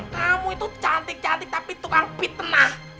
kamu itu cantik cantik tapi tukang pitnah